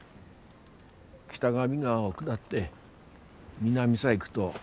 北上川を下って南さ行ぐど